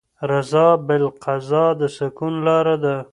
رضا بالقضا د سکون لاره ده.